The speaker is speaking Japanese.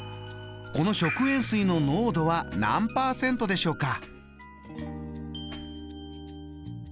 この食塩水の濃度は何％でしょうか？